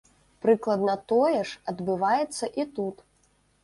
Прыкладна тое ж адбываецца і тут.